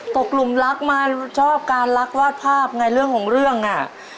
กลุ่มรักมาชอบการรักวาดภาพไงเรื่องของเรื่องอ่ะ